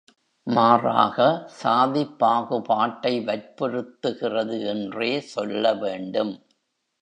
மாறாக, சாதிப் பாகுபாட்டை வற்புறுத்துகிறது என்றே சொல்ல வேண்டும்.